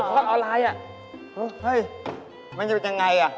มันจะเป็นอย่างไรล่ะเออมันจะเป็นอย่างไรวะ